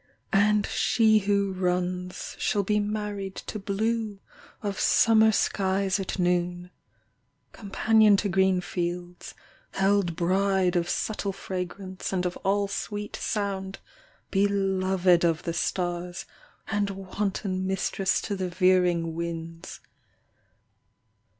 And she who runs shall be Married to blue of summer skies at noon, Companion to green fields, Held bride of subtle fragrance and of all sweet sound, Beloved of the stars, And wanton mistress to the veering winds.